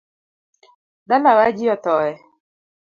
Dalawa ji othoe